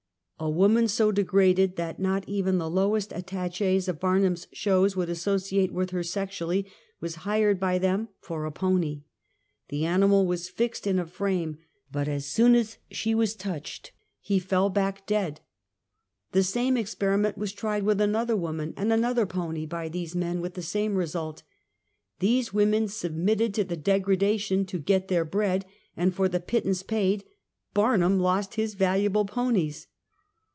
A woman so degarded that not even the lowest attaches of Barnum's shows would associate with her sexually, was hired by them for a pony^ The animal was fixed in a frame, but as soon as she was SOCIAL EVIL. 81 touched, he fell back dead. The same experiment was tried with another woman and another pony by, these men, with the same result. These women submitted to the degradation to get their bread, and for the pittance paid, Barnum lost his valuable ponies.